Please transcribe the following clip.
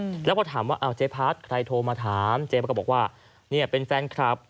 อืมแล้วก็ถามว่าอ้าวเจ๊พัดใครโทรมาถามเจ๊พัดก็บอกว่าเนี้ยเป็นแฟนคลับ